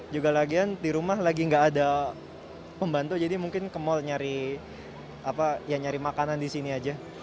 juga lagi di rumah lagi gak ada pembantu jadi mungkin ke mall nyari makanan disini aja